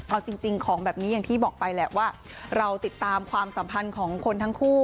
เอาจริงของแบบนี้อย่างที่บอกไปแหละว่าเราติดตามความสัมพันธ์ของคนทั้งคู่